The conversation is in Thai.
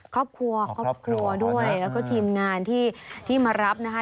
ครอบครัวครอบครัวด้วยแล้วก็ทีมงานที่มารับนะคะ